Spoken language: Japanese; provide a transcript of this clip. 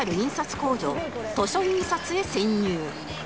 工場図書印刷へ潜入